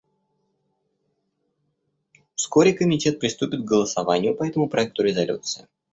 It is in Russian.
Вскоре Комитет приступит к голосованию по этому проекту резолюции.